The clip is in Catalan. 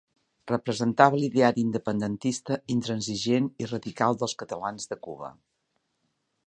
Representava l'ideari independentista, intransigent i radical, dels catalans de Cuba.